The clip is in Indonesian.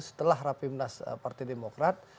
setelah rapimnas partai demokrat